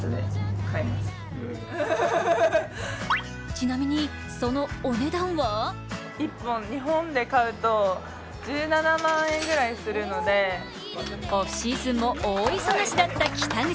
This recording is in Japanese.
ちなみに、そのお値段はオフシーズンも大忙しだった北口。